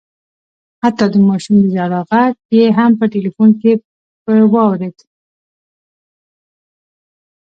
حتی د ماشوم د ژړا غږ یې هم په ټلیفون کي په واورېد